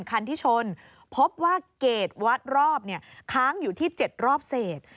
คันที่ชนพบว่าเกรดวัดรอบค้างอยู่ที่๗รอบเศษ